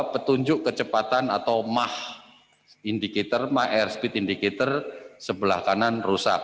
petunjuk kecepatan atau mah indicator my airspeed indicator sebelah kanan rusak